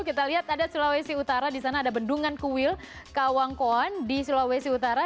kita lihat ada sulawesi utara di sana ada bendungan kuil kawangkoan di sulawesi utara